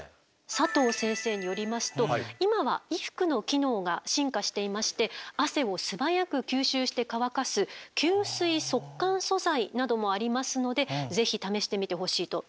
佐藤先生によりますと今は衣服の機能が進化していまして汗を素早く吸収して乾かす吸水速乾素材などもありますのでぜひ試してみてほしいというお話でした。